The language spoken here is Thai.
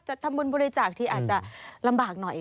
ทำบุญบริจาคที่อาจจะลำบากหน่อย